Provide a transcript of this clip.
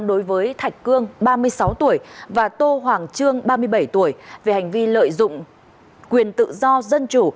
đối với thạch cương ba mươi sáu tuổi và tô hoàng trương ba mươi bảy tuổi về hành vi lợi dụng quyền tự do dân chủ